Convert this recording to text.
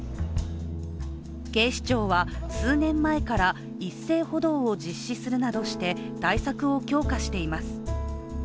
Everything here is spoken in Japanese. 警視庁は数年前から一斉補導を実施するなどして対策を強化しています。